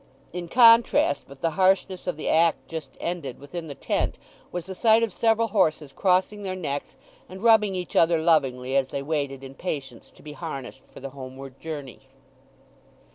In contrast with the harshness of the act just ended within the tent was the sight of several horses crossing their necks and rubbing each other lovingly as they waited in patience to be harnessed for the homeward journey.